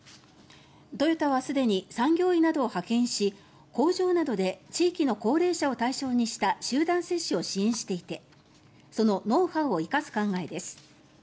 トヨタはすでに産業医などを派遣し、工場などで地域の高齢者を対象にした集団接種を支援していてそのノウハウを生かす考えです。